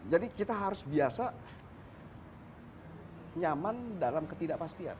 jadi kita harus biasa nyaman dalam ketidakpastian